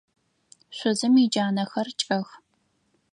Шъузым иджанэхэр кӏэх.